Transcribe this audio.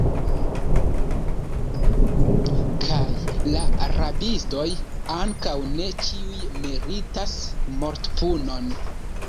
Kaj la rabistoj ankaŭ ne ĉiuj meritas mortpunon.